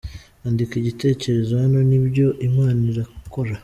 Andika Igitekerezo Hano nibyo imana irakora.